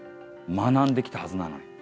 学んできたはずなのに。